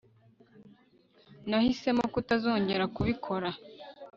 nahisemo kutazongera kubikora